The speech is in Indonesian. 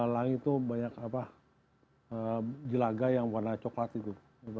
langit itu banyak jelaga yang warna coklat itu